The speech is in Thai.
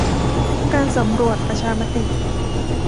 การสำรวจประชามติ